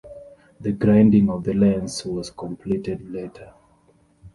The grinding of the lens was completed later.